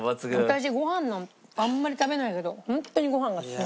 私ご飯はあんまり食べないけどホントにご飯が進む。